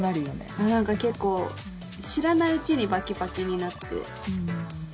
何か結構知らないうちにバキバキになって。